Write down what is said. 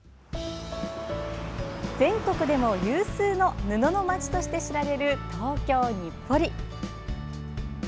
全国でも有数の布の街として知られる東京・日暮里。